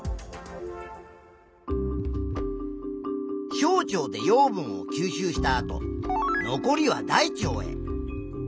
小腸で養分を吸収したあと残りは大腸へ。